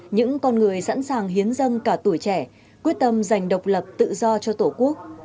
những con người sẵn sàng hiến dân cả tuổi trẻ quyết tâm giành độc lập tự do cho tổ quốc